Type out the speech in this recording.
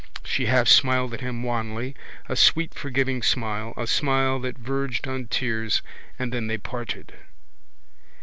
She half smiled at him wanly, a sweet forgiving smile, a smile that verged on tears, and then they parted.